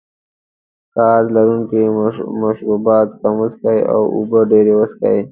ګاز لرونکي مشروبات کم وڅښه او اوبه ډېرې وڅښئ.